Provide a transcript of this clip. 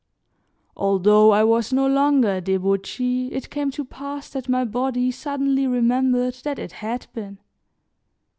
Although I was no longer a debauchee it came to pass that my body suddenly remembered that it had been.